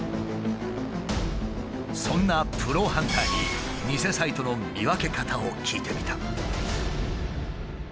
そんなプロハンターに偽サイトの見分け方を聞いてみた。